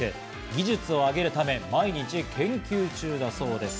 技術を上げるため毎日研究中だそうです。